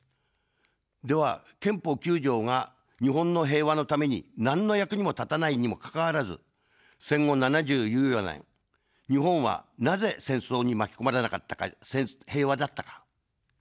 では憲法９条が日本の平和のためになんの役にも立たないにもかかわらず、戦後７０有余年、日本は、なぜ戦争に巻き込まれなかったか、平和だったか。